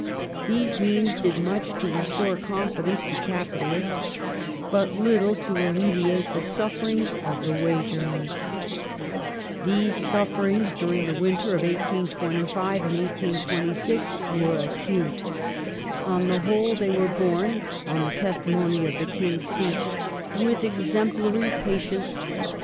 These means did much to restore confidence to capitalists, but little to alleviate the sufferings of the wage earners. These sufferings during the winter 1825 1826 were acute. On the whole they were borne, on the testimony of the King's Speech, " with exemplary patience